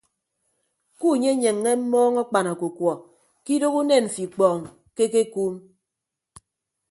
Kunyenyeññe mmọọñ akpan ọkukuọ ke idooho unen mfo ikpọọñ ke ekekuum.